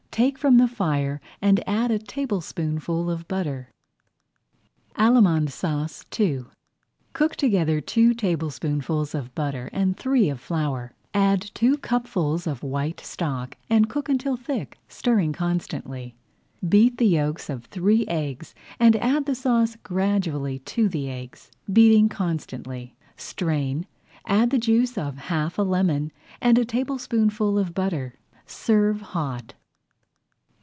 Take from the fire and add a tablespoonful of butter. ALLEMANDE SAUCE II Cook together two tablespoonfuls of butter and three of flour. Add two cupfuls of white stock and cook until thick, stirring constantly. Beat the yolks of three eggs and add the sauce gradually to the eggs, beating constantly. Strain, add the juice of half a lemon and a tablespoonful of butter. Serve hot.